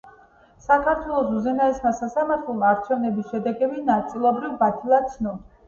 საქართველოს უზენაესმა სასამართლომ არჩევნების შედეგები ნაწილობრივ ბათილად ცნო.